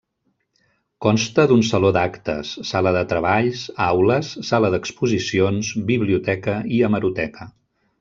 Consta d'un Saló d'Actes, sala de treballs, aules, sala d'exposicions, biblioteca i hemeroteca.